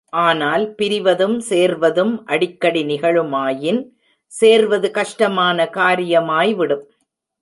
ஆனால், பிரிவதும் சேர்வதும் அடிக்கடி நிகழுமாயின் சேர்வது கஷ்டமான காரியமாய்விடும்.